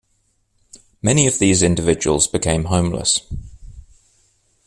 Many of these individuals became homeless.